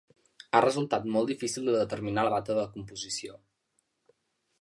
Ha resultat molt difícil de determinar la data de composició.